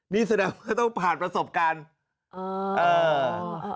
นี่แสดงว่าต้องผ่านประสบการณ์